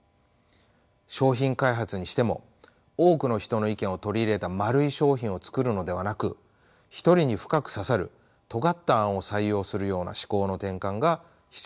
商品開発にしても多くの人の意見を取り入れた丸い商品を作るのではなく一人に深く刺さるとがった案を採用するような思考の転換が必要だと思います。